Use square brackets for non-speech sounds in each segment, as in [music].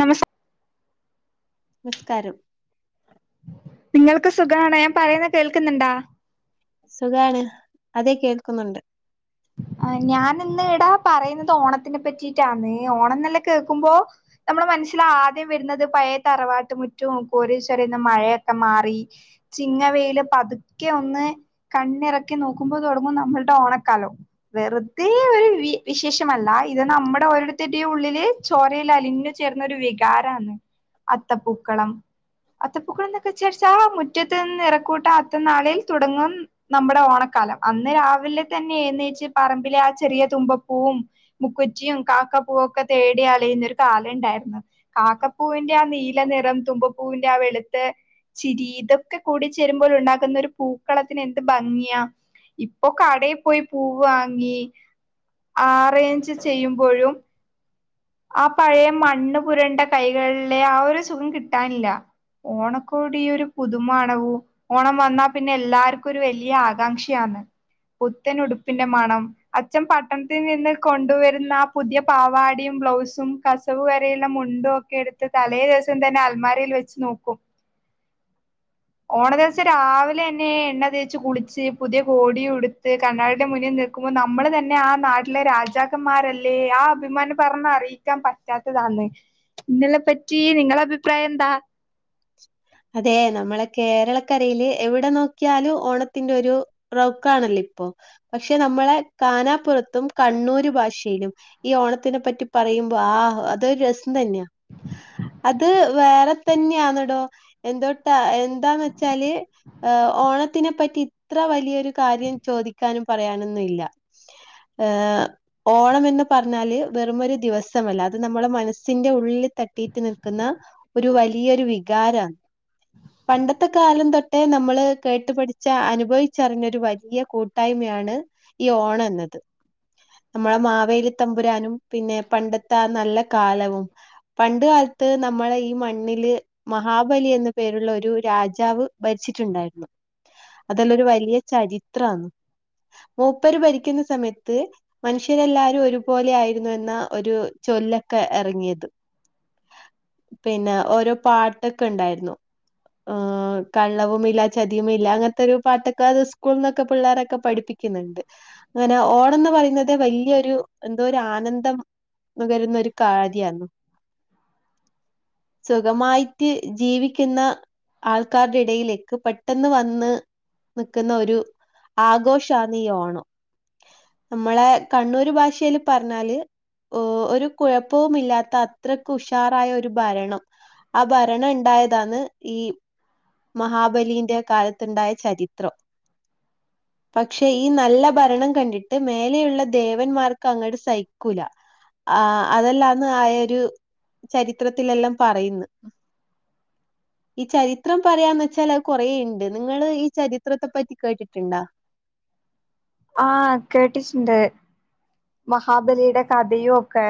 നമസ് നിസ്കാരം - നിങ്ങൾക്ക് സുഖണോ ഞാൻ പറയുന്ന കേൾക്കുന്നുണ്ടോ? സുഖാണ് അതെ കേൾക്കുന്നുണ്ട്- ആ ഞാൻ ഇന്ന് ഇടാ- പറയുന്നത് ഓണത്തിനെ പറ്റിട്ടാണ് ഓണം എന്നെല്ലാം കേൾക്കുമ്പോ നമ്മുടെ മനസ്സിൽ ആദ്യം വരുന്നത്- പഴേ തറവാട്ട് മുറ്റോ കോരീശ്വരന്ന് മഴയൊക്കെ മാറി ചിങ്ങവെയില് പതുക്കെ- കണ്ണിറക്കി നോക്കുമ്പോ തുടങ്ങും നമ്മളുടെ ഓണക്കാലോ വെറുതെ ഒരു വി വിശേഷമല്ല ഇത് നമ്മുടെ ഓരോരുത്തടെയും ഉള്ളില് ചോരയിൽ അലിഞ്ഞ് ചേ - ഒരു വികാരാന് അത്തപ്പൂക്കളം അത്തപ്പൂക്കളം എന്നൊക്കെ ചോച്ചാ മുറ്റത്ത് നിന്ന് ഇറക്കൂട്ട അത്ത നാളിൽ തുടങ്ങും നമ്മുടെ ഓണക്ക കലം അന്ന് രാവിലെ തന്നെ എന്നേച്ചു പറമ്പിലെ ആ ചെറിയ തുമ്പപ്പൂവും മുക്കുറ്റിയും കാക്കപ്പൂവൊക്കെ തേടി അലയുന്നൊരു കാലംണ്ടായി- കാക്കപ്പൂവിന്റെ ആ നീല നിറം തുമ്പപ്പൂവിന്റെ ആ വെളുത്ത് ചിരി ഇതൊക്കെ കൂടി ചേരുമ്പോൾ ഉണ്ടാക്കുന്ന ഒരു പൂക്കളത്തിന് എന്ത് ഭംഗിയാ ഇപ്പൊ കടയിൽ പോയി പുവാ- ങ്ങി ആറേഞ്ച് ചെയ്യുമ്പോഴും ആ പഴയ മണ്ണു പുരണ്ട കൈകളിലെ ആ ഒരു സുഖം കിട്ടാനില്ല ഓണക്കോട് ഈ ഒരു പുതുമമാണവും ഓണം വന്നാ പിന്നെ എല്ലാർക്കും ഒരു വലിയ ആകാംക്ഷയാന്ന്. പുത്തൻ ഉടുപ്പിന്റെ മണം അച്ഛൻ പട്ടണത്തിൽ നിന്ന് കൊണ്ടുവരുന്ന ആ പുതിയ പാവാടിയും ബ്ലൗസും കസവുവരെയുള്ള മുണ്ടും ഒക്കെ എടുത്ത് തലേ ദിവസം തന്നെ അൽമാരയിൽ വെച്ച് നോക്കും ഓണ ദിവസം രാവിലെ എന്നെ എണ്ണ തേച്ച് കുളിച്ച് പുതിയ കോടിയുടുത്ത് കണ്ണാടിടെ മുന്നിൽ നിർ നമ്മളെ തന്നെ ആ നാട്ടിലെ രാജാക്കന്മാരല്ലേ ആ അഭിമാന പറഞ്ഞ അറിയിക്കാൻ പറ്റാത്തതാണ് ഇന്നലെ പറ്റി നിങ്ങളെ അഭിപ്രായം എന്താ അതെ നമ്മളെ കേരളക്കരയിലെഎവിടെ നോക്കിയാലും ഓണത്തിന്റെ ഒരു ണല്ലോ ഇപ്പോ പക്ഷെ നമ്മളെ കാനാപ്പുറത്തും കണ്ണൂർ ഭാഷയിലും ഈ ഓണത്തി ഇതിനെ പറ്റി പറയുമ്പോ ആഹ് അതൊരു രസം തന്നെയാ അത് വേറെ തന്നെയാന്നടോ എന്തോട്ടാ എന്താന്ന് വെച്ചാല് ഓണത്തിനെ പറ്റി ഇത്ര വലിയൊരു കാര്യം ചോദിക്കാനും പറയാനൊന്നുംല്ല ഏഹ് ഓണംമന്ന് പറഞ്ഞാല് വെറുമൊരു ദിവസമല്ല അത് നമ്മളുടെ മനസ്സിന്റെ ഉള്ളില് തട്ടിയിട്ട് നിൽക്കുന്ന ഒരു വലിയൊരു വികാര പണ്ടത്തെ കാലം തൊട്ടേ നമ്മള് കേട്ടുപഠിച്ച അനുഭവിച്ചറിഞ്ഞൊരു വലിയ കൂട്ടായ്മയാ ണ് ഈ ഓണന്നത് നമ്മളെ മാവേലി തമ്പുരാനും പിന്നെ പണ്ടത്തെ ആ നല്ല കാലവും പണ്ട കാലത്ത് നമ്മളെ ഈ മണ്ണില് മഹാബലിന്ന് പേരുള്ള ഒരു രാജാവ് ഭരിച്ചിട്ടുണ്ടായിരുന്നു അതെല്ലരു വലിയ ചരിത്രന്ന് മൂപ്പര് ഭരിക്കുന്ന സമയത്ത് മനുഷ്യരെല്ലാരും ഒരുപോലെ ആയിരുന്നു എന്ന ഒരു ചൊല്ലൊക്കെ ഇറങ്ങിയത് ഉ പിന്നെ ഓരോ പാട്ടൊക്കെ ഉണ്ടായിരുന്നു കള്ളവുമ ഇല്ല ചതിയുമ ഇല്ല അങ്ങനത്തെൊ ഒരു പാട്ടൊക്കെ അത് സ്കൂളിൽ നിന്നൊക്കെ പിള്ളോരൊക്കെ പഠിപ്പിക്കുന്നുണ്ട് അങ്ങനെ ഓണം ന്ന് പറയുന്നത് വലിയൊരു എന്തോ ഒരു ആനന്ദം ഇപ്പം വരുന്നൊരു കാരിയിന്നു [inaudible] സുഖമായിട്ട് ജീവി ക്കുന്ന ആൾക്കാരുടെ ഇടയിലേക്ക് പെട്ടെന്ന് വന്ന് നിക്കുന്ന ഒരു ആഘോഷാന്ന് ഈ ഓണം നമ്മളെ കണ്ണൂര് ഭാഷയില് പറഞ്ഞാല് ഒരു കുഴപ്പവും മില്ലാത്ത അത്രക്ക് ഉഷാറായ ഒരു ഭരണം ആ ഭരണം ഇണ്ടായതാണ് ഈ മഹാബലിന്റെ കാലത്തുണ്ടായ ചരിത്രം [inaudible] പക്ഷെ ഈ നല്ല ഭരണം കണ്ടിട്ട് മേലെയുള്ള ദേവന്മാർക്ക് അങ്ങോട്ട് സഹിക്കൂല ആ അതെല്ലാന്ന് ആയരു ചരിത്രത്തിലെല്ലാം പറയുന്നു ഈ ചരി ചിത്രം പറയാന്ന് വെച്ചാൽ അത് കൊറേഇണ്ട് നിങ്ങള് ഈ ചരിത്രത്തെ പറ്റി കേട്ടിട്ടുണ്ടോ [inaudible] ആ കേട്ടിട്ടുണ്ട് മഹാബലിയുടെ കഥയും ഒക്കെ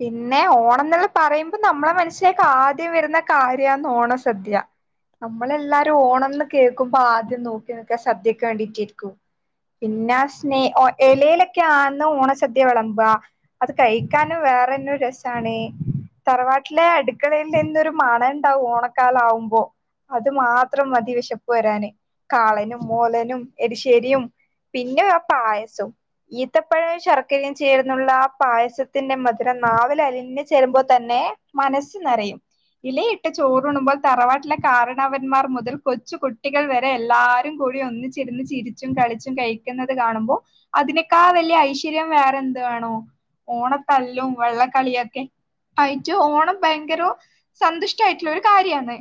പിന്നെ ഓണം എന്നുള്ള പറയുമ്പോൾ നമ്മളെ മനസിലേക്ക് ആദ്യം വരുന്ന കാര്യാന്ന് ഓണ സദ്യ നമ്മളെല്ലാരും ഓണംന്ന് കേൾക്കുമ്പോ ആദ്യം നോക്കി നിക്കാ സദ്യക്ക് വേണ്ടിട്ടിരിക്കും പിന്നെ സ്നേ ഇലയിലൊക്കെ ആണ് ഓണസദ്യ വിളമ്പാ അത് കഴിക്കാൻ വേറെന്നോരു രസണേ തറവാട്ടിലെ അടുക്കളയിൽ നിന്നൊരു മണം ഉണ്ടാവും ഓണക്കാല ആകുമ്പോ അത് മാത്രം മതി വിശപ്പ് വരാന് കാളനും മോലനും എരിശ്ശേരിയും പിന്നെ ആ പായസം ഈത്തപ്പഴവും ശർക്കരയും ചേർന്നുള്ള ആ പായസത്തി ത്തിന്റെ മധുരം നാവിൽ അലിഞ്ഞ് ചേരുമ്പോ തന്നെ മനസ്സ് നിറയും ഇലയിട്ട് ചോറണുമ്പോൾ തറവാട്ടിലെ കാരണവന്മാർ മുതൽ കൊച്ചു കുട്ടികൾ വരെ എല്ലാവാരും കൊ കൂടി ഒന്നിചിരുന്ന് ചിരിച്ചും കളിച്ചും കഴിക്കുന്നത് കാണുമ്പോ അതിനക്കാൾ വലിയ ഐശ്വര്യം വേറെന്താ ആണോ ഓണത്തല്ലും വെള്ളംക്കളിയൊക്കെ ആയിട്ട് ഓണം ഭയങ്കര സന്തുഷ്ടായിട്ടുള്ള ഒരു കാര്യാണ്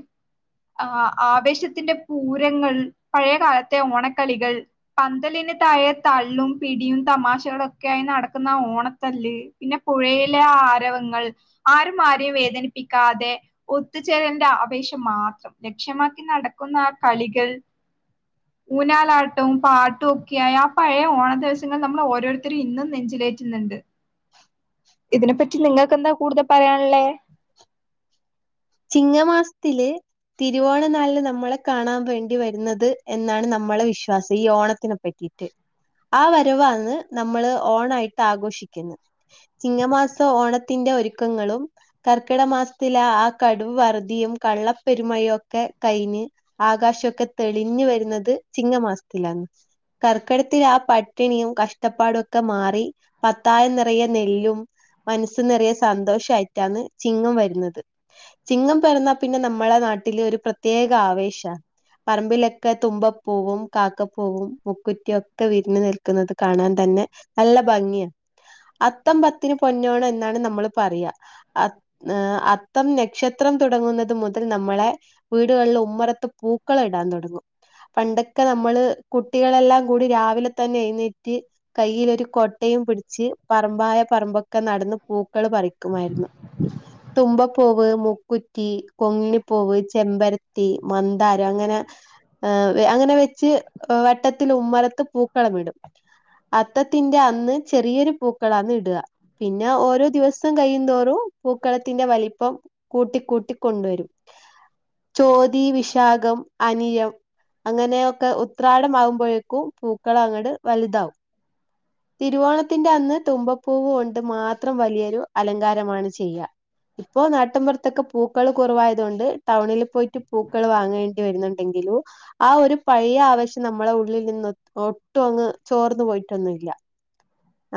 ആ ആവേശത്തിന്റെ പൂരങ്ങൾ പഴയകാലത്തെ ഓണക്കളികൾ പന്തലി താഴെ തള്ളും പിടിയും തമാശകളൊക്കെ ആയി നടക്കുന്ന ഓണത്തല്ല് പിന്നെ പുഴയിലെ ആരവങ്ങൾ ആരും ആരെയും വേദനിപ്പിക്കാതെ ഒത്തുചേരലിൻ്റെ ആപേശം മാത്രം ലക്ഷ്യമാക്കി നടക്കുന്ന ആ കളികൾ ഊഞ്ഞാലാട്ടും പാട്ടും ഒക്കെയായ ആ പഴയ ഓണ ദിവസങ്ങള് നമ്മൾ ഓരോരുത്തരും ഇന്നും നെഞ്ചിൽ ഏറ്റുന്നുണ്ട് പറ്റി നിങ്ങൾക്ക്ന്താ കൂടുതൽ പറയാനുള്ളേ ചിങ്ങമാസത്തില് തിരുവോണനാളില് നമ്മളെ കാണാൻ വേണ്ടി വരുന്നത് എന്നാണ് നമ്മളെ വിശ്വാസം ഈ ഓണത്തിനെപ്പറ്റി വിട്ട് ആ വരവാന്ന് നമ്മള് ഓണായിട്ട് ആഘോഷിക്കുന്നത് ചിങ്ങമാസം ഓണത്തിന്റെ ഒരുക്കങ്ങളും കർക്കിട മാസത്തില ആ കടുവം വറുധിയും കള്ളപ്പെരുമഴയും ഒക്കെ കഴിഞ്ഞ് ആകാശൊക്കെ തെളിഞ്ഞ് വരുന്നത് ചിങ്ങ മാസല്ലാണ് കർക്കിടത്തിൽ ആ പട്ടിണിയും കഷ്ടപ്പാടും ഒക്കെ മാറി പത്തായം നിറയെ നെല്ലും മനസ്സ് നിറയെ സന്തോഷയിട്ടാണ് ചിങ്ങം വരുന്നത് ചിങ്ങം പിറന്നാ പിന്നെ നമ്മളെ നാട്ടില് ഒരു പ്രത്യേക ആവേശ പറമ്പിലൊക്കെ തുമ്പപ്പൂവും കാക്കപ്പൂവും മുക്കുറ്റി ഒക്കെ വിരിഞ്ഞ് നിൽക്കുന്നത് കാണാൻ തന്നെ പിന്നെ നല്ല ഭംഗിയാ അത്തം പത്തിന് പൊന്നോണം എന്നാണ് നമ്മള് പറയ ഏ അത്തം നക്ഷത്രം തുടങ്ങുന്നത് മുതൽ നമ്മളെ വീടുകളിൽ ഉമ്മറത്ത് പൂക്കൾ ഇടാൻ തുടങ്ങും പണ്ടൊക്കെ നമ്മള് കുട്ടികളെല്ലാം കൂടി രാവിലെ തന്നെ എഴ്ന്നേറ്റ് കയ്യിൽ ഒരു കൊട്ടേ പിടിച്ച് പറമ്പായ പറമ്പൊക്കെ നടന്ന് പൂക്കൾ പറിക്കുമായിരുന്നു തുമ്പ പൂവ് മുക്കുറ്റി കൊങ്ങിണിപ്പൂവ് ചെമ്പരത്തി മന്താരം അങ്ങനെ ഏഅങ്ങനെ വെച്ച് വട്ടത്തിൽ ഉമ്മറാ ത്ത് പൂക്കളം ഇടും അത്തത്തിന്റെ അന്ന് ചെറിയൊരു പൂക്കളാന്ന് ഇട്വ പിന്നെ ഓരോ ദിവസം കൈയ്യ്ന്തോറും പൂക്കളത്തിന്റെ വലിപ്പം കൂട്ടിക്കൂട്ടി കൊണ്ടുവരും ചോതി വിശാഖം അനിയം അങ്ങനെയൊക്കെ ഉത്രാടംമാകുമ്പോഴേക്കും പൂക്കളം അങ്ങട് വല്താവും തിരുവോണത്തിന്റെ അന്ന് തുമ്പപ്പൂവ് കൊണ്ട് മാത്രം വലിയൊരു അലങ്കാരമാണ് ചെയ്യ ഇപ്പോ നാട്ടിൻപുറത്തൊക്കെ പൂക്കൾ കുറവായതുകൊണ്ട് ടൗണിൽ പോയിട്ട് പൂക്കൾ വാങ്ങേണ്ടി വരുന്നുണ്ടെങ്കിലും ആ ഒരു പഴയ ആവശ്യം നമ്മളെ ഉള്ളിൽ നിന്ന് ഒട്ടും അങ്ങ് ചോർന്ന് പോയിട്ടൊന്നുല്ല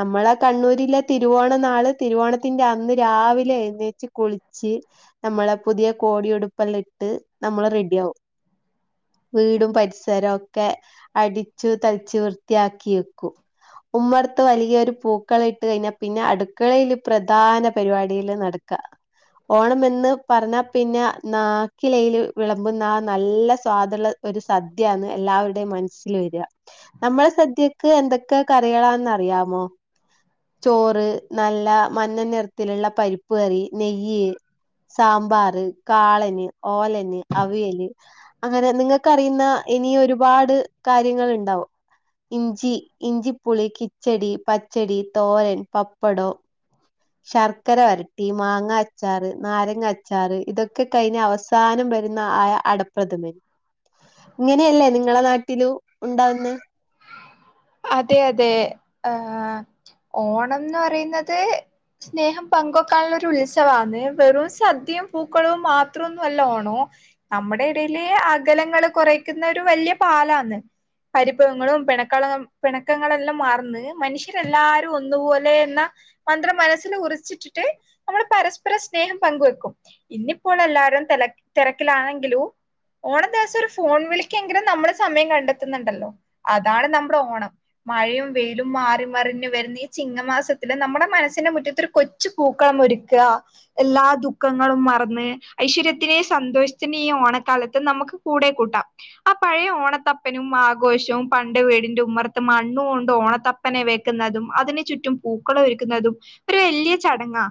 നമ്മള കണ്ണൂരിലെ തിരുവോണ നാള് തിരുവോണത്തിന്റെ അന്ന് രാവിലെ എഴ് കുളിച്ച് നമ്മളെ പുതിയ കോടിയുടുപ്പല് ട്ട് നമ്മള് റെഡി ആകും വീടും പരിസരൊക്കെ അടിച്ചു തളിച്ച് വൃത്തിയാക്കി വെക്കും ഉമ്മർത്ത് വലിയൊരു പൂക്കളയിട്ട് കയിഞ്ഞാ പിന്നെ അടുക്കളയില് പ്രധാന പരിപാടിയില് നട ഓണമെന്ന് പറഞ്ഞാ പിന്ന നാ ക്കിലയില് വിളമ്പുന്ന ആ നല്ല സ്വാദുള്ള ഒരു സദ്യയാന്ന് എല്ലാവരുടെയും മനസ്സിൽ വെര്വ നമ്മള സദ്യക്ക് എന്തൊക്കെ കറികളാന്ന് അറിയാമോ ചോറ് നല്ല മഞ്ഞ നിറത്തില്ള്ള പരിപ്പ് കറി നെയ്യ് സാമ്പാറ് കാളന് ഓലന് അവിയല് അങ്ങനെ നിങ്ങക്കറിയ്ന്ന ഇനി ഒരുപാട് കാര്യങ്ങള്- ണ്ടാവും. ഇഞ്ചി ഇഞ്ചിപ്പുളി കിച്ചടി പച്ചടി തോരൻ പപ്പടം ശർക്കര വരട്ടി മാങ്ങ അച്ചാറ് നാരങ്ങ അച്ചാറ് ഇതൊക്കെ കഴിഞ്ഞ് അവസാനം വരുന്ന ആയ അടപ്രഥമൻ ഇങ്ങനെയല്ലേ നിങ്ങളെ നാട്ടിലും ഉണ്ടാവുന്നെ? അതെ അതെ ഏ ഓണംന്ന് പറയ്ന്നത് സ്നേഹം പങ്കുവക്കാനുള്ളൊരു ഉത്സവാന്ന് വെറും സദ്യ പൂക്കളും മാത്രമല്ല ഓണം നമ്മടെ ഇടയിലെ അകലങ്ങള് കുറയ്ക്കുന്നൊരു വല്യ പാലാന്ന് പരിഭവങ്ങളും പെണക്കള പിണക്കങ്ങളെല്ലം മറന്ന് മനുഷ്യരെല്ലാരും ഒന്നു പോലെ എന്ന മന്ത്രം മനസ്സിൽ ഉറച്ചിട്ടിട്ട് നമ്മൾ പരസ്പര സ്നേഹം പങ്കുവെക്കും ഇന്നിപ്പോൾ എല്ലാരും തെല തെരക്കിലാണെങ്കിലു ഓണ ദെവസം ഒരു ഫോൺ വിളിക്കെങ്കിലും നമ്മൾ സമയം കണ്ടെത്ത്ന്ന്ണ്ടല്ലോ അതാണ് നമ്മ്ടെ ഓണം മഴയും വെയിലും മാറി മറിഞ്ഞു വരുന്ന ഈ ചിങ്ങമാസത്തില് നമ്മുടെ മനസ്സിന്റെ മുറ്റത്ത് ഒരു കൊച്ചു പൂ ക്കളമൊരുക്ക എല്ലാ ദുഃഖങ്ങളും മറന്ന് ഐശ്വര്യത്തിന്റെയും സന്തോഷത്തിന്റെയും ഈ ഓണക്ക നമുക്ക് കൂടെ കൂട്ടാം ആ പഴയ ഓണത്തപ്പനും ആഘോഷവും പണ്ട് വീടിന്റെ ഉമ്മറ മണ്ണോണ്ട് ഓണത്തപ്പനെ വെക്ക്ന്നതും അതിനു ചുറ്റും പൂക്കളം ഒരുക്കുന്നതും ഒരു വല്ല്യ ചട ആ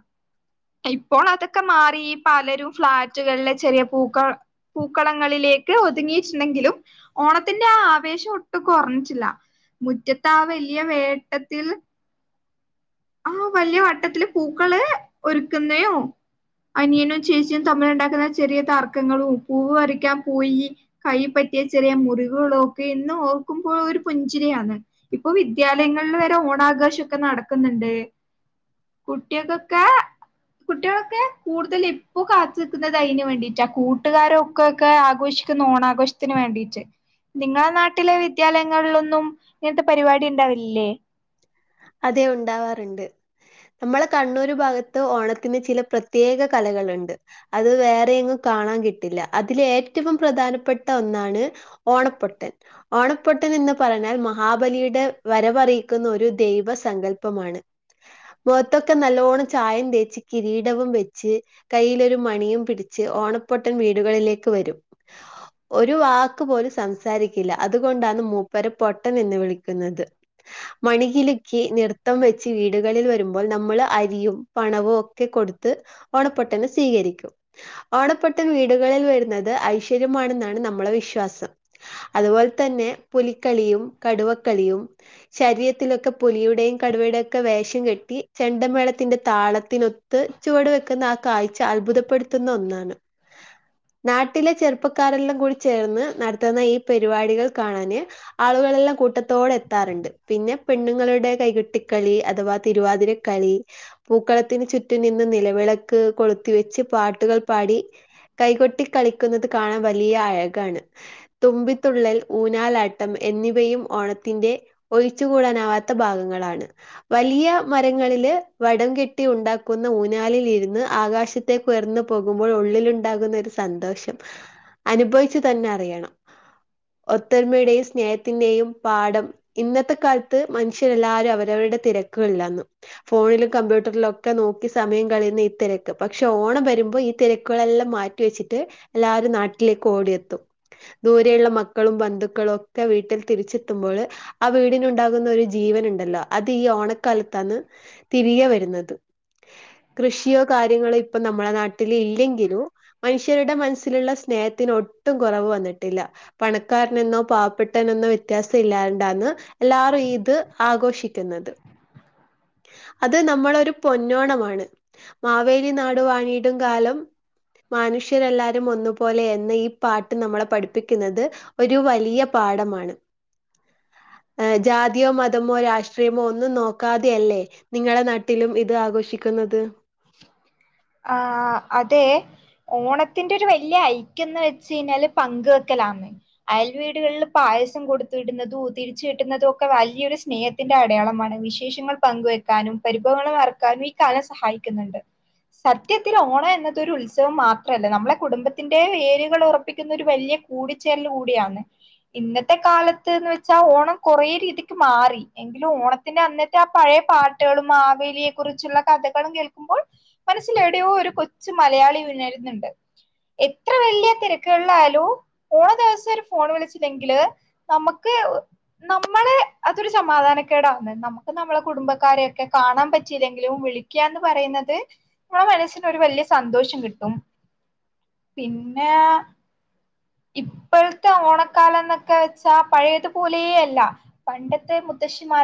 ഇപ്പോൾ അതൊക്കെ മാറി പലരും ഫ്ളാറ്റുകളിലെ ചെറിയ പൂക്ക പൂക്കളങ്ങളിലേക്ക് ഒതുങ്ങിയിട്ട്ണ്ടെങ്കിലും ഓണത്തിന്റെ ആ ആവേശം ഒട്ടും കുറഞ്ഞിറ്റില്ല മുറ്റത്ത് ആ വലിയ വേട്ടത്തിൽ ആ വല്ല്യ വട്ടത്തില് പൂക്കള് ഒരുക്ക്ന്നയോ അനിയനും ചേച്ചിയും തമ്മിലുണ്ടാക്ക്ന്ന ചെറിയ തർക്കങ്ങളു പൂവ് പറിക്കാൻ പോയി കൈപ്പ യ ചെറിയ മുറിവുകളൊക്കെ ഇന്ന് ഓർക്കുമ്പോൾ ഒരു പുഞ്ചിരിയാന്ന് ഇപ്പോ വിദ്യാലയങ്ങളിൽ വരെ ഓണാഘോഷൊക്കെ നടക്ക്ന്ന്ണ്ട് കുട്ട്യേ കുട്ടികൾക്ക് കൂടുതൽ എപ്പോ കാത്തിരിക്കുന്നത് അയിന് വേണ്ടിറ്റാ കൂട്ടുകാരൊക്കെ ആഘോഷി ഓണാഘോഷത്തിന് വേണ്ടീറ്റ് നിങ്ങളെ നാട്ടിലെ വിദ്യാലയങ്ങളിലൊന്നും ഇങ്ങനത്തെ പരിപാടി ഇണ്ടാവലില്ലേ അതെ ഉണ്ടാവാറ്ണ്ട് നമ്മള കണ്ണൂർ ഭാഗത്ത് ഓണത്തിന് ചില പ്രത്യേക കലകള്ണ്ട് അത് വേറെങ്ങും ക കാണാൻ കിട്ടില്ല. അതിലെ ഏറ്റവും പ്രധാനപ്പെട്ട ഒന്നാണ് ഓണപ്പൊട്ടൻ, ഓണപ്പൊട്ടൻ എന്ന് പറഞ്ഞാൽ മഹാബലിയുടെ വരവറീക്കുന്ന ഒരു ദൈവ സങ്കല്പമാണ് മുഖത്തൊക്കെ നല്ലോണ്ണം ചായം തേച്ച് കിരീടവും വെച്ച് കയ്യിലൊരു മണിയും പിടിച്ച് ച്ച് ഓണപ്പൊട്ടൻ വീടുകളിലേക്ക് വരും ഒരു വാക്ക് പോലും സംസാരിക്കില്ല അതുകൊണ്ടാണ് മൂപ്പരെ പൊട്ടൻ എന്ന് വിളിക്കുന്നത് മണികിലുക്കി നൃത്തം വെച്ച് വീടുകളിൽ വരുമ്പോൾ നമ്മൾ അരിയും പണവും ഒക്കെ കൊടുത്ത് ഓണപ്പൊട്ടനെ സ്വീകരിക്കും ഓണപ്പൊട്ടൻ വീടുകളിൽ വരുന്നത് ഐശ്വര്യമാണെന്നാണ് നമ്മ നമ്മള വിശ്വാസം അതുപോലെ തന്നെ പുലിക്കളിയും കടുവക്കളിയും ശരീ ൊലിയെ വം കെട്ടി ചെണ്ടമേളത്തിന്റെ താളത്തിനൊ ച ക്ക്ന്ന ആ കാഴ്ച അത്ഭുതപ്പെടുത്തുന്ന ഒന്നാണ് നാട്ടിലെ ചെറുപ്പക്കാരെല്ലാം കൂടി ചേർന്ന് നടത്തുന്ന ഈ പെരുപാടികൾ കാണാന് ആ ളെല്ലാം കൂട്ടത്തോടെ എത്താറുണ്ട് പിന്നെ പെണ്ണുങ്ങളുടെ കൈകൊട്ടിക്കളി അഥവാ തിരുവാതിരക്കളി പൂക്കളത്തിന് ചുറ്റും നിന്ന് നിലവി വിളക്ക് കൊളുത്തി വെച്ച് പാട്ടുകൾ പാടി കൈകൊട്ടി കളിക്കുന്നത് കാണാൻ വലിയ അഴകാണ് തുമ്പിത്തുള്ളൽ ഊഞ്ഞാലാട്ടം എന്നിവയും ഓണത്തിന്റെ ഒഴിച്ചു കൂടാനാ ആത്തെ ഭാഗങ്ങളാണ് വലിയ മരങ്ങളില് വടംകെട്ടി ഉണ്ടാക്കുന്ന ഊഞ്ഞാലിൽ ഇജോലി രുന്ന് ഇന്ന് ആകാശത്തേക്ക് ഉയർന്നു പോകുമ്പോൾ ഉള്ളിലുണ്ടാകുന്ന ഒരു സന്തോഷം അനുഭവിച്ചു തന്നെ അറിയണം ഒത്തൊരുമയുടെയും സ്നേഹത്തിന്റെയും പാഠം ഇന്നത്തെ കാലത്ത് ത്ത് മനുഷ്യരെല്ലാവരും അവരവരുടെ തിരക്കുകളില്ലാന്ന് ഫോണിലും കമ്പ്യൂട്ടറിലും ഒക്കെ നോക്കി സമയം കള ഈ തിരക്ക് പക്ഷെ ഓണം വരുമ്പോ ഈ തിരക്കുകളെല്ലാം മാറ്റി വെച്ചിട്ട് എല്ലാരും നാട്ടിലേക്ക് ഓടിയ എത്തും ദൂരെയുള്ള മക്കളും ബന്ധുക്കളും ഒക്കെ വീട്ടിൽ തിരിച്ചെത്തുമ്പോൾ ആ വീടിനു ഉണ്ടാകുന്ന ഒരു ജീവനുണ്ടല്ലോ അത് ഈ ഓണക്കാലത്താണ് തിരികെ വരുന്നത് കൃഷിയോ കാര്യങ്ങളോ ഇപ്പൊ നമ്മളെ നാട്ടിൽ ഇല്ലെങ്കിലും മനുഷ്യരുടെ മനസ്സിലുള്ള സ്നേഹത്തിന് ഒട്ടും കുറവ് വന്നിട്ടില്ല പണക്കാരനെന്നോ പാവപ്പെട്ടനെന്നോ വ്യത്യാസം ഇല്ലാണ്ടാന്ന് എല്ലാരും ഈത് ആഘോഷിക്കുന്നത് ഉ അത് നമ്മളൊരു പൊന്നോണമാണ് മാവേലി നാടു വണിയിടും കാലം മനുഷ്യരെല്ലാവാരും ഒന്നുപോലെ എന്ന ഈ പാട്ട് നമ്മളെ പഠിപ്പിക്കുന്നത് ഒരു വലിയ പാഠമാണ് [inaudible] ജാതിയോ മതമോ രാഷ്ട്രീയമോ ഒന്നും നോക്കാതെയല്ലേ നിങ്ങളുടെ നാട്ടിലും ഇത് ആഘോഷിക്കുന്നത് ആഹ അതെ ഓണത്തിന്റെ ഒരു വലിയ ഐക്യം എന്ന് വെച്ച് കിഞ്ഞാല് പങ്കുവെക്കലാന്ന് അയൽ വീടുകളിൽ പ പായസം കൊടുതുടുന്നതും തിരിച്ചു കിട്ടുന്നതും ഒക്കെ വലിയൊരു സ്നേഹത്തിന്റെ അടയാളമാണ് വിശേഷങ്ങൾ പങ്കുവെക്കാൻ പരസ്പരിക്കും പരിപവന മറക്കാനും ഈ കാന സഹായിക്കുന്നുണ്ട് സത്യത്തിൽ ഓണം എന്നതൊരു ഉത്സവം മാത്രല്ല നമ്മളെ കുടുംബത്തിന്റെ വേരുകൾ ഉറപ്പിക്കുന്ന ഒരു വലിയ കൂടിച്ചേരൽ കൂടിയാണ് ഇന്നത്തെ കാലത്ത്ന്ന് വെച്ചാ ഓണം കുറേ രീതിക്ക് മാറി എങ്കിലും ഓണത്തിന്റെ അന്നത്തെ ആ പഴയ പാട്ടുകളും മാവേലിയെ കുറിച്ചുള്ള കഥകളും കേ പ്പോൾ മനസ്സിൽ എവിടെയോ ഒരു കൊച്ചു മലയാളി ഉണരുന്നുണ്ട് എത്ര വലിയ തിരക്കുകളിലായാലും ഓണ ദിവസം ഒരു ഫോൺ വിളിച്ചില്ലെങ്കില് നമുക്ക് നമ്മള് അതൊരു സമാധാനക്കേടാവുന്ന നമുക്ക് നമ്മളെ കുടുംബക്കാരെയൊക്കെ കാണാൻ പറ്റ ങ്കിലും വിളിക്കാണ്ടെ പറയുന്നത് ആ മനസ്സിന് ഒരു വലിയ സന്തോഷം കിട്ടും പിന്നെ ഇപ്പോഴത്തെ ഓണക്കാലം എന്നൊക്കെ വെച്ചാ പഴയതുപോലെയല്ല പണ്ടത്തെ മുത്തശ്ശിമാ